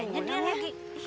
kayaknya dia lagi